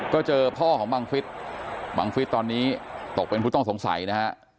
ก็เจอพ่อของบังฟิศบังฟิศตอนนี้ตกเป็นผู้ต้องสงสัยนะฮะ